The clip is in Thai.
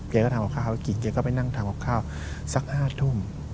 ทำกับข้าวให้กินแกก็ไปนั่งทำกับข้าวสัก๕ทุ่ม